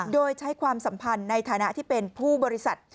โดยใช้ความสัมพันธ์ในฐานะที่เป็นผู้บริษัท